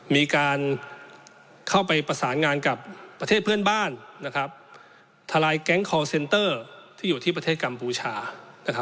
มีการเข้าไปประสานงานกับประเทศเพื่อนบ้านนะครับทลายแก๊งคอลเซนเตอร์ที่อยู่ที่ประเทศกัมพูชา